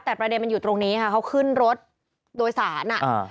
แต่ประเด็นมันอยู่ตรงนี้ค่ะเขาขึ้นรถโดยสารอ่ะอ่า